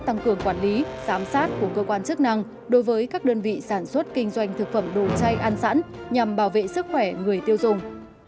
tăng cường quản lý giám sát của cơ quan chức năng đối với các đơn vị sản xuất kinh doanh thực phẩm đồ chay ăn sẵn nhằm bảo vệ sức khỏe người tiêu dùng